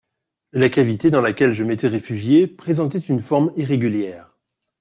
La cavité dans laquelle je m'étais réfugié présentait une forme irrégulière.